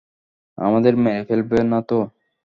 আমাদের মেরে ফেলবে নাতো?